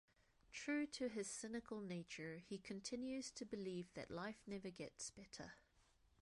True to his cynical nature, he continues to believe that life never gets better.